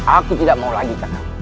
aku tidak mau lagi karena